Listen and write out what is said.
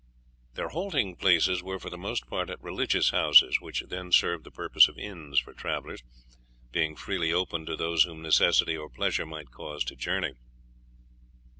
Their halting places were for the most part at religious houses, which then served the purpose of inns for travellers, being freely opened to those whom necessity or pleasure might cause to journey.